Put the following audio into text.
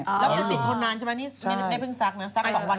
แล้วมันจะติดคนนานใช่ไหมนี่ได้เพิ่งซักนะซัก๒วันอีกนิดนึง